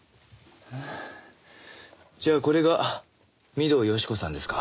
じゃあこれが御堂好子さんですか。